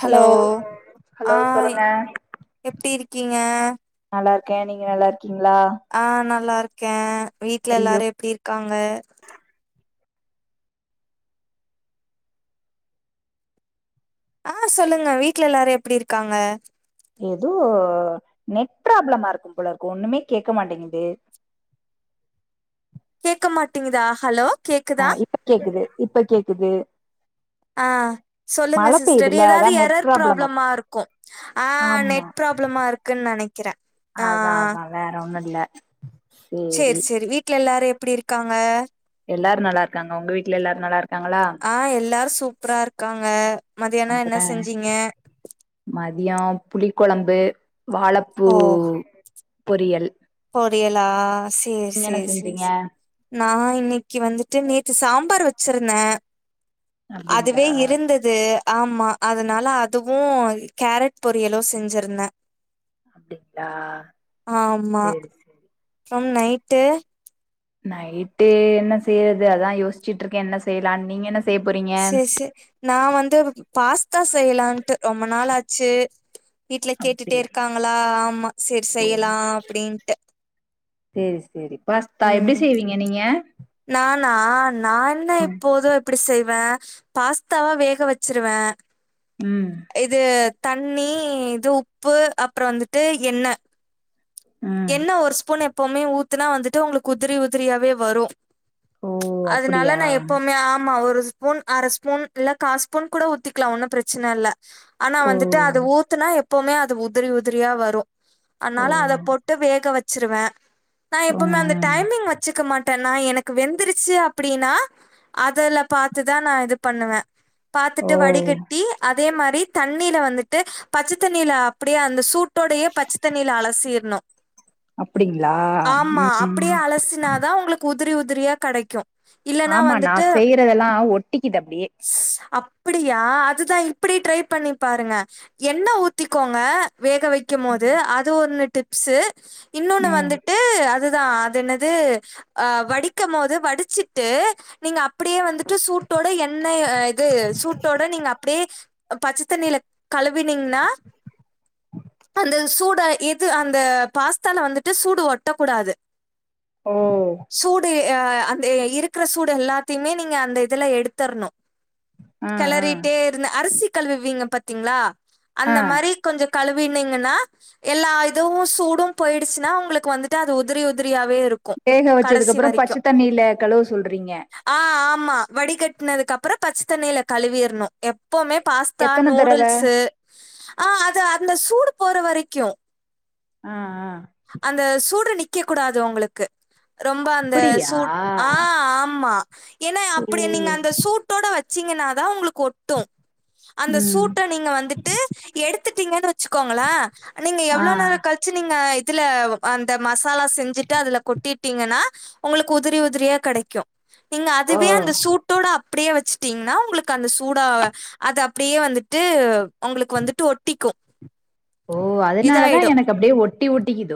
Hello ஆ hello சொல்லுங்க எப்டி இருக் கீங்க நல்லா இருக்கே நீங்க நல்லா இருக்கீங்களா ஆ நல்லா இருக்கே வீட்ல ஐயோ எல்லாரு எப்டி இருக்காங்க ஆ சொல்லுங்க வீட்ல எல்லாரு எப்டி இருக்காங்க ஏதோ நெட் ப்ராப்ளமா இருக்கு போலருக்கு ஒண்ணுமே கேட்க மாட்டேங்கிது கேக்க மாட்டீங்கிதா ஹலோ கேக்குதா ஆ இப்ப கேக்குது இப்ப கேக்குது ஆ சொல்லுங்க மழை சிஸ்டர் பெய்யுதுல அதா ஏதாவது நெட் எரர் ப்ராப்ளமா இருக்கு ஆ ஆமா நெட் ப்ராப்ளமா இருக்குன் நெனைக்கிறே ஆ அதா அதா வேற ஒண்ணு இல்ல சேரி செரி செரி வீட்ல எல்லாரு எப் ப்டி இருக்காங்க எல்லாரு நல்லா இருக்காங்க உங்க வீட்ல எல்லாரு நல்லாருக் ஆ எல்லாரு சூப்பரா இருக்காங்க மதியானோ அப்புற என்ன செஞ்சீங்க மதியோ புளி கொழம்பு வாழப்பூ ஓ பொரியல் பொரியலா செரி நீங்க என்ன செரி செரி செஞ்சீங்க நா இன்னைக்கு வந்துட்டு நேத்து சாம்பார் வச் சுருந்தே அப்டிங்களா அதுவே இருந்தது ஆமா அதனால அதுவு கேரட் பொரியலு செஞ்சிருந்தே அப்டிங்களா செரி செ ரி ம் நைட்டு நைட்டு என்ன செய்றது அதா யோச்சுட்டு இருக்கே என்ன செய்லானு நீங்க என்ன செய்ய போறீங்க செரி செரி நா வந்து பாஸ்தா செய்லான்ட்டு ரொம்ப நாள் ஆச்சு வீட்ல கேட்டுட்டே அப்டியா இருக்காங்களா ஆமா செரி செய்யலா அப்டின்ட்டு செரி செரி பாஸ்தா எப்டி செய்வீங்க நீங்க நானா நா என்ன ம் எப்போது அப்டி செய்வே பாஸ்தாவ வேக வச்சுருவே ம் இது தண்ணி இது உப்பு அப்றோ வந்துட்டு எண்ண ம் எண்ண ஒரு ஸ்பூன் எ எப்பவுமே ஊத்துனா வந்துட்டு உங்களுக்கு உதிரி உதிரியாவே வரும் ஓ ச் அதுனால அப்டியா நான் எப்பவுமே ஆமா ஒரு ஸ்பூன் அர ஸ்பூன் இல்ல கா ஸ்பூன் கூட ஊத்திக்கலாம் ஒன்னும் பிரச்சனை இல்ல ஆனா ஓ வந்துட்டு அது ஊத்துனா எப்பவுமே அது உதிரி உதிரியா வரும் ஓ அதனால அத போட் க்க வச்சிருவேன் நான் ம் எப்பவுமே அந்த ம் டைமிங் வச்சுக்க மாட் டே நான் எனக்கு வெந்துருச்சு அப்டின்னா அதுல பாத்துதான் நான் இது பண்ணுவேன் பாத்துட்டு ஓ வடிகட்டி அ அதே மாரி தண்ணில வந்துட்டு பச்ச தண்ணில அப்டியே அந்த சூட் டோடயே பச்சத் தண்ணில அலசி சீர்ணும் அப்டிங்ளா ஆமா ம் அப்டியே ம் அலஸ்னாதான் உங்களுக்கு உ உதிரி உதிரியா கெடைக்கும் இல்லன்னா ஆமா வந்துட்டு நான் செய்யறதெல்லாம் ஒட்டிக்குது அப்டியே அப்டியா அதுதான் இப்டி ட்ரை பண்ணி பாருங்க எண்ண ஊத்திக்கோங்க வேக வைக்கும் போது அது ஒன்னு சு இன்னொன்னு ம் வந்துட்டு அது தான் அது என்னது வடிக்கும் போது வடிச்சுட்டு நீங்க அப்டியே வந்துட்டு சூட்டோட என் எண்ணய இது சூட்டோட நீங்க அப்டியே பச்ச தண்ணில கழுவினீங்ன்னா அந்த சூட இது அந் த பாஸ்தால வந்துட்டு சூடு ஒட்டக்கூடாது ஓ அஹ் அந்த இருக்கிற சூடு எல்லாத்தையுமே நீங்க அந்த இதுல எடுத்தரணும் ஆ ஆ கலறிட்டே இருந்த அரிசி கலுவுவீங்க பாத்தீங்களா ஆ அந்த மாரி கொஞ்ச கழுவினீங்கன்னா எல்லா எதுவு சூடும் போயிடுச்சுன்னா உங்களுக்கு வந்துட்டு அது உதிரி உதிரியாவவே வேக வச்சதுக்கு அப்புறம் பச்ச தண்ணில கழுவ சொல்றீங்க ஆ ஆமா வடிகட்டினதுக்கு அப்புறம் பச்சை தண்ணியில கழுவிறணும் எப்பவுமே பாஸ்தா எத்தன தடவ நூடுல்ஸ் ஆஹ் அதா அந்த சூடு போற வரைக்கியு ஆஹ் ஆஹ் வைக்க கூடாது உங்களுக்கு ரொம்ப அந்த அப்டியா சூட் ஆ ஆஹ் ஆமா ஏன்னா அப்பிடி நீங்க ம் அந்த சூட்டோட வச்சு வச்சீங்கன்னாதா உங்களுக்கு ஒட்டு அந்த ம் சூட்ட நீங்க வந்துட்டு எடுத்து த்துட்டீங்கன்னு வெச்சுக்கோங்களா நீங்க ஆ எவ்ளோ நேரோ கழிச்சு நீங்க அதுல அந்த மசாலா செஞ்சுட்டு அதுல கொட்டிட்டீங்கன்னா உங்களுக்கு உதிரி உதிரியா கடைக்கு நீங்க ஆ அதுவே அந்த சூட்டோட அப்டியே வெச்சுட்டீங்கன்னா உங்களுக்கு அந்த சூடா அத அப்படியே வந்துட்டு உங்களுக்கு வந்துட்டு ஒட்டிக்கு ஓ அதனாலதா எனக்கு அப்டியே ஒட் ஒட்டி ஒட்டிக்கிது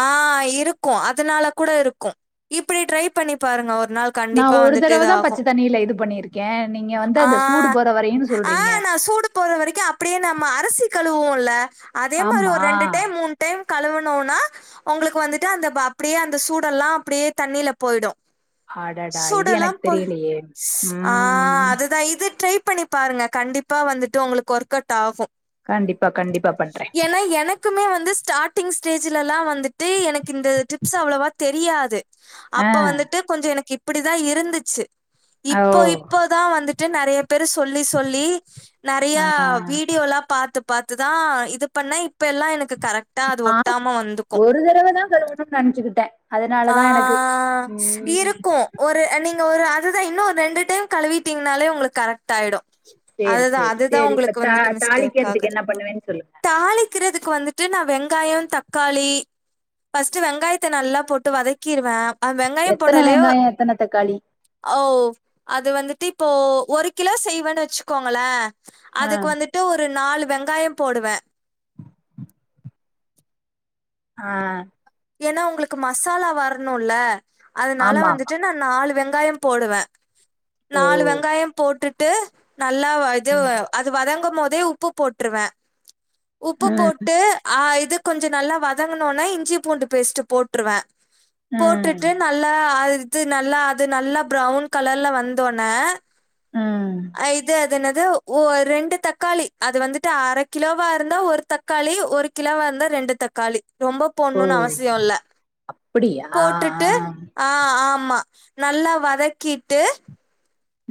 ஆஹ் இருக் கு அதனால கூட இருக்கு இப்பிடி ட்ரை பண்ணி பாருங்க ஓர் ஒரு நாள் நா கண்டிப்பா ஒரு வந்துட்டு தடவ தா இதாகு பச்ச தண்ணியில இது பண்ணிருக்கே நீங்க வந்து அந்த சூடு ஆஹ் போற வரையுன்னு சொல்றீங்க ஆஹ் நா சூடு போற வரைக்கு அப்பிடியே நம்ம அருசி கழுவுவோல்ல அதே மாரி ஆமா ஒரு ரெண்டு டைம் மூணு டைம் கழுவுனோனா உங்களுக்கு வந்துட்டு அந்த அப்பிடியே அந்த சூடெல்லா அப்பிடியே தண்ணியில போயிடு அடடா இது சூடுலா எனக்கு போ தெரியலையே ம் ஆஹ் அதுதா இது ட்ரை பண்ணி பாருங்க கண்டிப்பா வந்துட்டு உங்களுக்கு ஒர்க்கவுட்டாகு கண்டிப்பா கண்டிப்பா பண்றே ஏன்னா எனக்குமே வந்து ஸ்டார்ட்டிங்ஸ் டேஜ் லல்லா வந்துட்டு எனக்கு இந்த ட்ரிப்ஸ் அவ்ளோவா தெரியாது ஆ அப்ப வந்துட்டு கொஞ்சோ எனக்கு அப்பிடி தா இருந்துச்சு ஓ இப்போ இப்போ தா வந்துட் ட்டு நறைய பெரு சொல்லி சொல்லி நெறைய ஆ வீடியோலா பாத் பாத்துதா இது பண்ண இப்ப எல்லா எனக்கு கரெக்டா அது ஆ ஒட்டாம வந்துக்கும். ஒரு தரவதா [unintelligible] நெனச்சுக்கிட்டே ஆ அதனாலதா எனக்கு ம் இருக்கு ஒரு நீங்க ஒரு அதுதா இன்னு ஒரு ரெண்டு டைம் கழுவிட்டீங்னாலே உங்களுக்கு கரெக்ட் டாயிடு சேரி அதுதா சேரி அதுதா சேரி இப்ப உங்களுக்கு தா வந்துட்டு மிஸ்டேக் தாளிக்கிறதுக்கு ஆகுது என்ன பண்ணுவேன்னு சொல்லுங்க தாளிக்கிறதுக்கு வந்துட் வெட்டுன வெங்காயோ தக்காளி ஃபஸ்ட் வெங்காயத்த நல்லா போட் வதக்கிருவே அ வெங்காயோ எத்தன போடலயோ வெங்காயோ எத்தன தக்காளி ஓ அது வந்து இப்போ ஒரு கிலோ செய்வேன்னு வச்சுக்கோங்களே ஆ அதுக்கு வந்துட்டு ஒரு நாலு வெங்காயோ போடுவே ஆ ஏனா உங்களுக்கு மசாலா வரணுல அதனால ஆமா ஆமா வந்துட்டு நா நாலு வெங் வெக்காய போடுவே ஓ நாலு வெங்காயோ போட்டுட் டு நல்லா இது ம் அது வதங்கும் போ தே உப்பு போட்டுருவே உப்பு ம் போட்டு அ இது கொஞ்சோ நல்லா வதங்குனோன இஞ்சி பூண்டு பேஸ்ட் போட்டுருவே ம் போட்டுட்டு நல்லா ஆ இது நல்லா அது நல்லா பிரவுன் கலர்ல வந்தோனே ம். ஐ இது அது அது என்னது ஒ ரெண்டு தக்காளி அது வந்துட்டு அர கிலோவா இருந்தா ஒரு தக்காளி ஒரு கிலோவா இருந்தா ரெண்டு தக்காளி ரொம்ப ஓ போட்னுனு அவச அவசியோல்ல அப்படியா ஆ ஆ. போட்டுட்டு ஆ ஆமா ஆமா நல்லா வதக்கீட்டு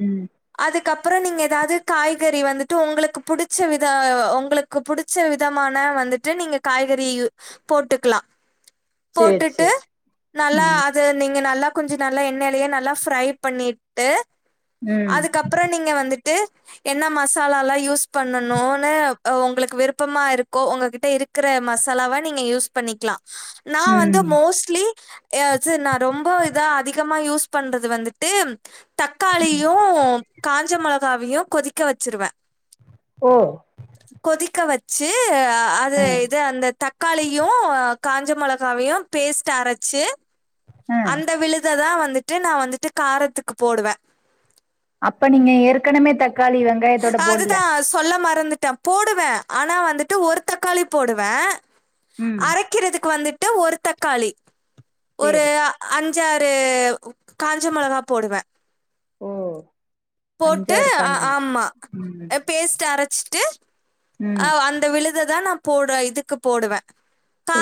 ம் அதுக்கப்புறோ நீங்க ஏதாவது காய்கறி வந்துட்டு உங்களுக்கு புடிச்ச வித உங்களுக்கு புடிச்ச விதமான வந்துட்டு நீங்க காய்கறி போட்டுக்கலா சேரி போட்டுட்டு சேரி நல்லா ம் அது நீங்க நல்லா கொஞ்சம் நல்லா எண்ணெயிலயே நல்லா ஃப்ரைபண்ணிட்டு ம் அதுக்கப்புறம் நீங்க வந்துட்டு என்ன மசாலால்லாம் யூஸ் பண்ணனும்ன்னனு உங்களுக்கு விருப்பமா இருக்கோ உங்ககிட்ட இருக்கற மசாலாவா நீங்க யூஸ் பண்ணிக்கலாம் நான் வந்து ம் மோஸ்ட்லி இது நான் ரொம்ப இதா அதிகமா யூஸ் பண்றது வந்துட்டு தக்காளியும் காஞ்ச மிளகா [inaudible] வையும் கொதிக்க வச்சிருவேன் ஓ கொதிக்க வெச்சு வெச்சு அது ஆ இது அந்த தக்காளியு காஞ்ச மிளகாய் காஞ்ச மிளகாவையும் பேஸ்ட் அரைச்சு ஆ அந்த விழுத தான் நான் வந்துட்டு காரத்துக்கு போடுவே அப்ப நீங்க ஏற்கனவே தக்காளி வெங்காயத்தோட போடல அதுதான் சொல்ல மறந்துட்டேன் போடுவே ஆனா வந்துட்டு ஒரு தக்காளி போடுவேன் ம் அரைக்கிறதுக்கு வந்து டு ஒரு தக்காளி ஒரு சேரி அன் அஞ்சாறு காஞ்ச மெளகா போடுவே ஓ போட்டு அஞ்சாறு ஆ காஞ்ச மொளகா ஆமா ம் அரைச்சிட்டு ஆ ம் அந்த விழுது அதுதான் நான் போடுறன் இதுக்கு போடுவே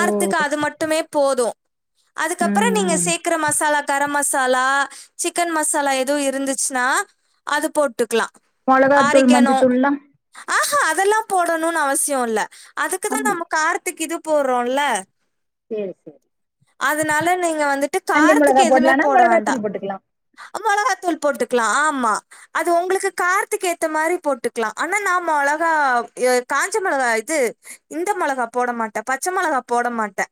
ஓ அது மட்டுமே போதும் ம் அதுக்கப்புறம் நீங்க ம் சேர்க்கிற மசாலா கரம் மசாலா சிக்கன் மசாலா எதும் இருந்துச்சுன்னா அது போட்டுக்கலா மிளகாய்த்தூள் மஞ்ச தூள்லாம ஆஹா அதெல்லாம் போடணும்னு அவசியம் இல்ல அதுக்குதான் அப்டி நம்ம காரத்துக்கு இது போறோல சேரி சேர் அதுனால நீங்க வந்துட்டு காரத்துக்கு மொளகா எதுமே போடலானா போட வேண்டா மொளகாத்தூள் போட்டுக்கலா மொளகா தூள் போட்டுக்லா ஆமா அது உங்குளுக்கு கார்த்துக்கு ஏத்த மாரி போட்டுக்லா ஆனா நா மொளகா எ காஞ்ச மெளகா இது இந்த மொளகா போட மாட்டே பச்ச மொளகா போட மாட்டே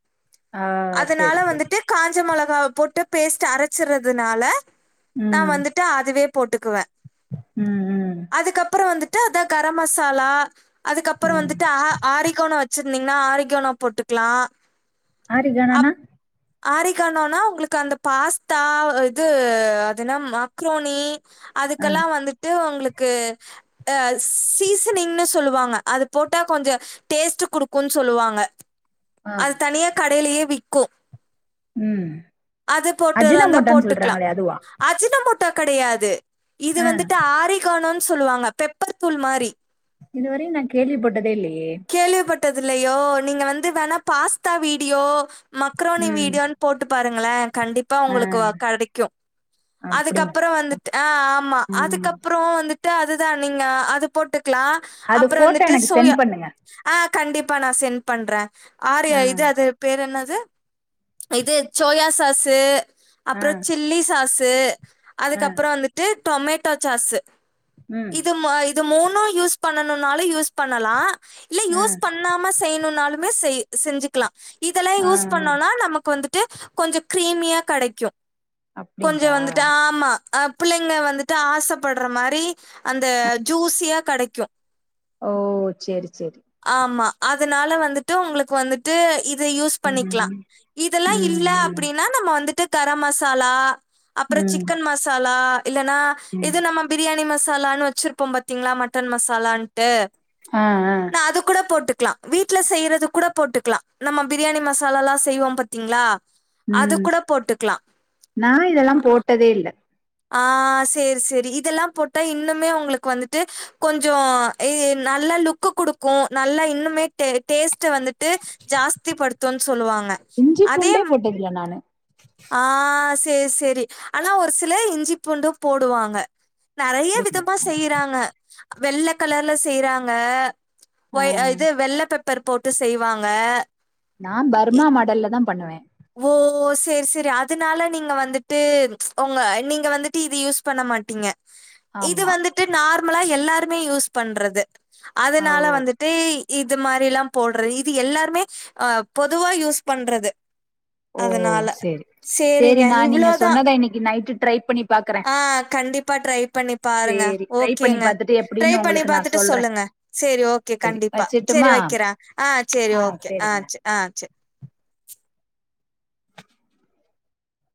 ஆ அதனால சேரி சேரி வந்துட்டு காஞ்ச மொளகாவ போட்டு பேஸ்ட் அரைச்சர்றதுனால நா வந்துட்டு அதுவே போட்டுக்குவே உம் உம் ட்டு அதா கரம் மசாலா அதுக்கப்புற ம் வந்துட்டு அ க ஆரிக்கோன வெச்சு இந்திங்ன்னா ஆரிக்கானோ போட்டுக்லா ஆரிகானோனா ஆரிகானோனா உங்குளுக்கு அந்த பாஸ்தா இது அது என்ன மக்ரோனி ஆ அதுக்கல்லா வந்துட்டு உங்ளுக் க்கு அ சீசனிங்ன்னு சொல்லுவாங்க அது போட்டா கொஞ்சோ டேஸ்ட்டு குடுக்குன் சொல்லுவாங்க ஆ அது தனியா க டைலியே விக்கு ம் அது போட்டு தந்தா அஜினமோட்டோன்னு போட்டுக்லா சொல்றாங்களே அதுவா அஜினமோட் ட்ட கெடையாது இது ஆ வந்துட்டு ஆரிகானோன் சொல்லுவாங்க பெப்பர் தூள் மாரி இது வரயு நா கேள்வி பட்டதே இல்ல கேள்விப்ப ட்டதில்லையோ நீங்க வந்து வேணா பாஸ்தா வீடியோ மக்ரோனி ம் வீடியோன் போட்டு பா கங்களே கண்டிப்பா ஆ உங்களுக்கு வ கெடைக்கு அப்படிங்க அதுக்கப்புறோ வந்துட்டு அ ஆமா ம் அதுக்கப்புறோ வந்து ட்டு அதுதா நீங்க அது போட்டு க்லா அது அப்புற ஃபோட்டோ வந்துட்டு எனக்கு சென்ட் சோயா பண்ணுங்க ஆ கண்டிப்பா நா சென் பண்றே ஆர்யா ஆ இது அது பேர் என்ன து இது சோயா சாசு ஆ அப்றோ சில்லி சாசு ஏ ஆ அதுக்கப்புற வந்துட்டு டொமேட்டோ சாஸ் ம் இது மாய் இது மூணு யூஸ் பண்ணுனாலு யூஸ் பண்ணலா இல்ல ஆ யூஸ் பண்ணாம செய்யணு நாலுமே செய் செஞ்சுக்கலா இதெல்லா ஆ ஆ யூஸ் பண்ணோனா நமக்கு வந்து டு கொஞ்ச கிரீமியா கிடைக்கு கொஞ்ச அப்படிங்களா வந்துட்டுா ஆமா அஹ் பிள்ளைங்க வந்துட்டு ஆசைப்படுற மாரி அந்த ஆ, ஜூஸியா கிடைக்கு ஓ சேரி சேரி ஆமா அதனால வந்துட்டு உங்களுக்கு வந்துட்டு இ யூஸ் பண்ணிக்கலா ம் இதெல்லா ம் இல்ல ம் அப்டின்னா நம்ம வந்துட்டு கரம் மசாலா அப்புற ம் சிக்கன் மசாலா இல்லன்னா ம் இது நம் பிரியாணி மஸ் மசாலான்னு வச்சிருப்போம் பாத்தீங்களா மட்டன் மசாலான்ட்டு ஆ ஆ நா அது கூட போட்டுக் கலா வீட்ல செய்யறது கூட போட்டுக்கலா நம்ம பிரியாணி மசாலா எல்லா செய்வோ பாத்தீங்களா அது உம் கூட போட்டுக்கலாம். நா இதெல்லா போட்டதே இல்ல ஆஹ் சேரி சேரி இதெல்லா போட்டா இன்னுமே உங்களுக்கு வந்துட்டு கொஞ்ச இ நல்லா லுக் கொடுக்கு நல்லா இன்னுமே டே டேஸ்ட் டு வந்துட்டு ஜாஸ்தி படுத்துனு சொல்லுவாங்க இஞ்சி அதே பூண்டே ம் போட்டதில்லை நான் ஆஹ ச சேரி சேரி ஆனா ஒரு சி ல இஞ்சி பண்டு போடுவாங்க நறைய அப்படிங்களா விதமா செய்யறாங்க வெள்ள கலர்ல செய்யறாங்க ஆ ஒ இது வெள்ளப் பெப் பெப்பர் போட்டு செய்வாங்க நா பர்மா மாடல்லாத பண்ணுவ ஓ சேரி சேரி அதனால நீங்க வந்துட்டு உங்க நீங்க வந்துட்டு இது யூஸ் பண்ண மாட்டீங்க இது ஆமா வந்துட்டு நார் நார்மலா எல்லாருமே யூஸ் பண்றது ஓ அதனால வந்துட்டு இது மாரிலாம் போடுறது இது எல்லாருமே அஹ் பொதுவா யூஸ் பண்றது ஓ அதனால சேரி சேரி சரிங்க நா நீங்க இவ்ளோதான் சொன்னத இன்னைக்கு நைட்டு ட்ரை பண்ணி பாக்குறே ஆஹ் கண்டிப்பா ட்ரை பண்ணி பாருங்க சேரி ட்ரை பண்ணி ஓகேங்க பாத்துட்டு ட்ரை எப்டின்னு பண்ணி உங்களுக்கு நா பாத்துட்டு சொல்றே சொல்லுங்க சரி ஓகே சேரி கண்டிப்பா சரி வச்சுட்டுமா வைக்கிறேன் ஆஹ் சரி ஓகே ஆ சரி ஆஹ் சரி